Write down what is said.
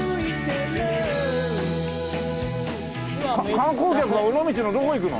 観光客は尾道のどこ行くの？